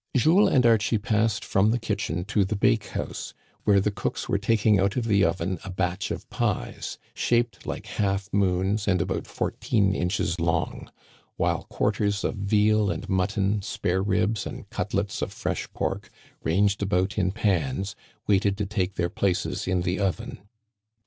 Jules and Archie passed from the kitchen to the bake house, where the cooks were taking out of the oven a batch of pies, shaped like half moons and about four teen inches long ; while quarters of veal and mutton, spare ribs, and cutlets of fresh pork, ranged around in pans, waited to take their places in the oven.